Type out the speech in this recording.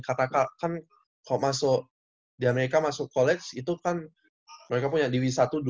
karena kan kalau masuk di amerika masuk college itu kan mereka punya d w satu dua tiga